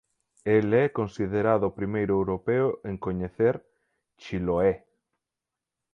El é considerado o primeiro europeo en coñecer Chiloé.